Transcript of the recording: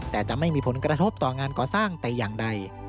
แต่จะไม่มีผลกระทบต่องานก่อสร้างแต่อย่างใด